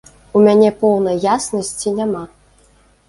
У мяне поўнай яснасці няма.